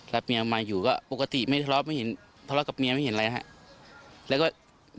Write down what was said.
รับเมียมาอยู่ก็ปกติทะเลาะกับเมียไม่เห็นอะไรครับ